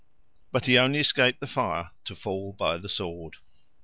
But he only escaped the fire to fall by the sword.